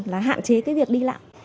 là hạn chế cái việc đi lặng